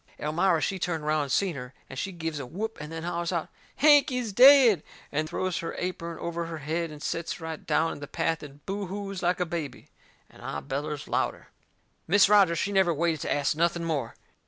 Elmira she turned around and seen her, and she gives a whoop and then hollers out: "Hank is dead!" and throws her apern over her head and sets right down in the path and boo hoos like a baby. And I bellers louder. Mis' Rogers, she never waited to ast nothing more.